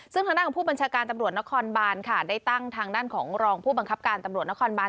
ซึ่งทางด้านของผู้บัญชาการตำรวจนครบาน